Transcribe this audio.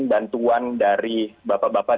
bantuan dari bapak bapak